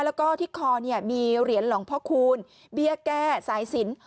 แล้วก็ที่คอมีเหรียญหลวงพ่อคูณเบี้ยแก้สายสิน